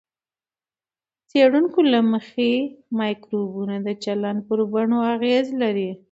د څېړونکو له مخې، مایکروبونه د چلند پر بڼو اغېز لري.